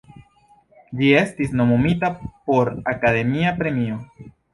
Ĝi estis nomumita por Akademia Premio.